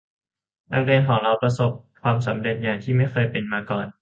นักเรียนของพวกเรากำลังประสบความสำเร็จอย่างที่ไม่เคยเป็นมาก่อน